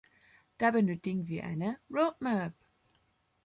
Da benötigen wir eine road map.